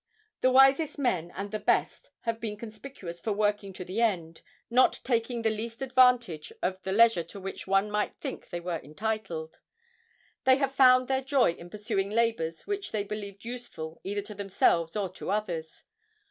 The wisest men and the best have been conspicuous for working to the end, not taking the least advantage of the leisure to which one might think they were entitled. They have found their joy in pursuing labors which they believed useful either to themselves or to others.